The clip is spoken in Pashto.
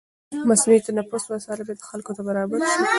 د مصنوعي تنفس وسایل باید خلکو ته برابر شي.